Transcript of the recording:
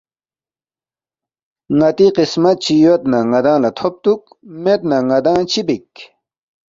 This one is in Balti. ن٘تی قسمت چی یود نہ ن٘دانگ لہ تھوبتُوک، مید نہ ن٘دانگ چِہ بیک؟“